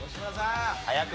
早く。